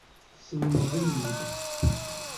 Teslemed-iyi-t.